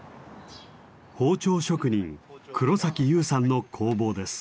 包丁職人黒優さんの工房です。